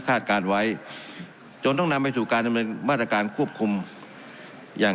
คาดการไว้จนต้องนำไปสู่การบรรยาการควบคุมอย่าง